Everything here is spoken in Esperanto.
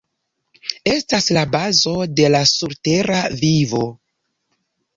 Estas la bazo de la surtera vivo.